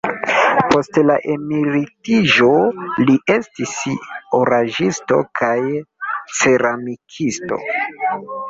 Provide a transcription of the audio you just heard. Post la emeritiĝo li estis oraĵisto kaj ceramikisto.